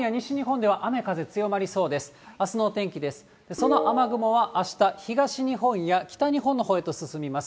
その雨雲はあした、東日本や北日本のほうへと進みます。